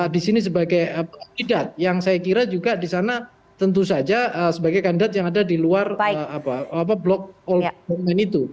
di sini sebagai kandidat yang saya kira juga di sana tentu saja sebagai kandidat yang ada di luar blok all moment itu